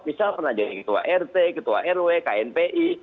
misal pernah jadi ketua rt ketua rw knpi